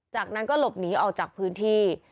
จากนั้นก็หลบหนีออกจากพื้นที่